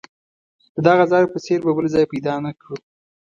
د دغه ځای په څېر به بل ځای پیدا نه کړو.